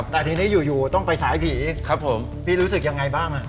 แต่ทีนี้อยู่ต้องไปสายผีครับผมพี่รู้สึกยังไงบ้าง